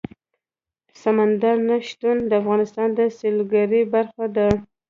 سمندر نه شتون د افغانستان د سیلګرۍ برخه ده.